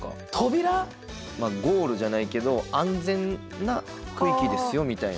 ゴールじゃないけど安全な区域ですよみたいな。